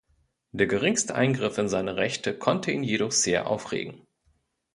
Der geringste Eingriff in seine Rechte konnte ihn jedoch sehr aufregen.